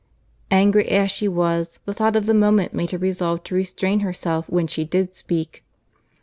Angry as she was, the thought of the moment made her resolve to restrain herself when she did speak.